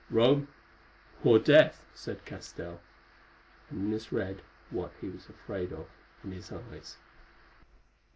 "Rome—or death," said Castell; and Inez read what he was afraid of in his eyes.